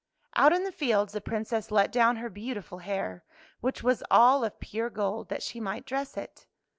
Out in the fields the Princess let down her beautiful hair, which was all of pure gold, that she might dress it.